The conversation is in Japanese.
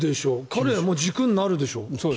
彼は軸になるでしょ。